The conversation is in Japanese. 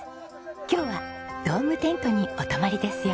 今日はドームテントにお泊まりですよ。